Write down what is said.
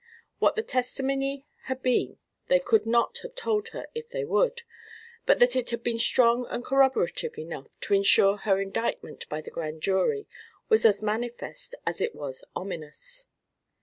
What that testimony had been they could not have told her if they would, but that it had been strong and corroborative enough to insure her indictment by the Grand Jury was as manifest as it was ominous.